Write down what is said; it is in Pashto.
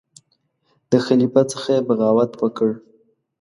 د خلیفه څخه یې بغاوت وکړ.